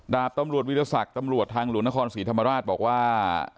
ดาบตำรวจวิทยาศักดิ์ตำรวจทางหลวงนครศรีธรรมราชบอกว่า